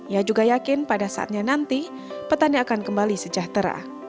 ia juga yakin pada saatnya nanti petani akan kembali sejahtera